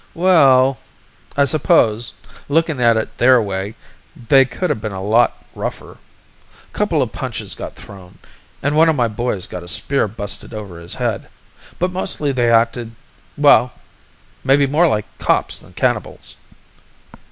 "Well ... I suppose, lookin' at it their way, they coulda been a lot rougher. A couple of punches got thrown, an' one of my boys got a spear busted over his head, but mostly they acted ... well ... maybe more like cops than cannibals."